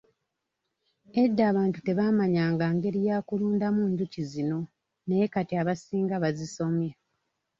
Edda abantu tebaamanyanga ngeri ya kulundamu njuki zino naye kati abasinga bazisomye.